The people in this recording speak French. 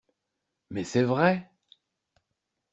Mais c'est vrai!